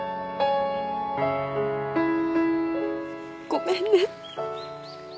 ごめんね。